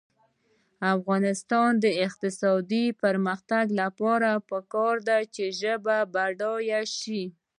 د افغانستان د اقتصادي پرمختګ لپاره پکار ده چې ژبې بډایه شي.